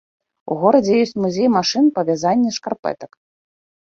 У горадзе ёсць музей машын па вязання шкарпэтак.